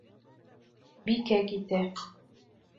Бикә китә.